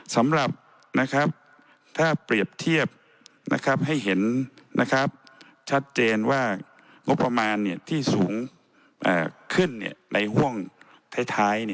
สำหรับถ้าเปรียบเทียบให้เห็นชัดเจนว่างบประมาณที่สูงขึ้นในห่วงท้าย